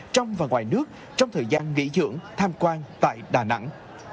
trong và ngoài nước trong thời gian nghỉ dưỡng tham quan tại đà nẵng